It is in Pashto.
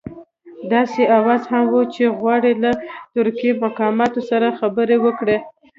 داسې اوازه هم وه چې غواړي له ترکي مقاماتو سره خبرې وکړي.